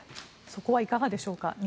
そこはいかがでしょうか。